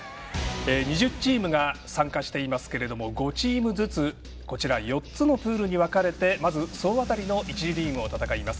２０チームが参加していますけれども５チームずつ４つのプールに分かれてまず、総当たりの１次リーグを戦います。